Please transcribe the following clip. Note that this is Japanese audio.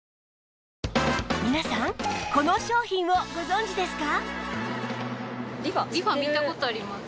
皆さんこの商品をご存じですか？